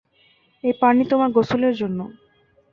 এই পানি তোমার গোসলের জন্য।